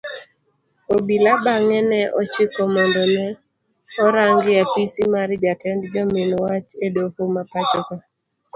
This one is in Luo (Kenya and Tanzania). Obila bange ne ochiki mondo ne orangi apisi mar jatend jomin wach edoho mapachoka